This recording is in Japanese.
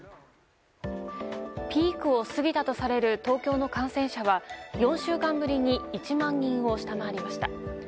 ピークを過ぎたとされる東京の感染者は４週間ぶりに１万人を下回りました。